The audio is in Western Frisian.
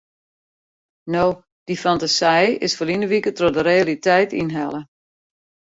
No, dy fantasy is ferline wike troch de realiteit ynhelle.